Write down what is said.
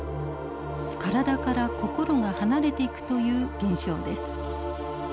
体から心が離れていくという現象です。